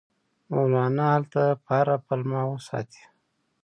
مولنا هلته په هره پلمه وساتي.